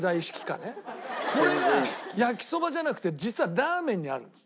これが焼きそばじゃなくて実はラーメンにあるんです。